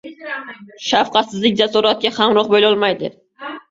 Shafqatsizlik jasoratga hamroh bo‘lolmaydi.